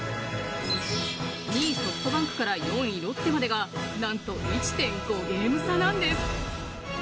２位・ソフトバンクから４位・ロッテまでが何と１．５ゲーム差なんです。